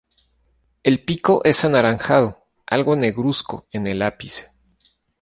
El pico es anaranjado, algo negruzco en el ápice.